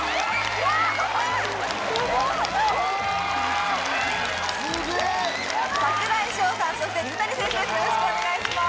よろしくお願いします。